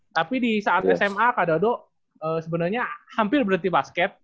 tapi di saat sma kak dodo sebenarnya hampir berhenti basket